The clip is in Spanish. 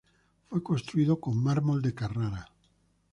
Fue construido con mármol de Carrara.